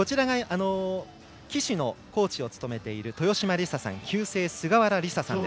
岸のコーチを務めている豊島リサさん、旧姓菅原リサさん。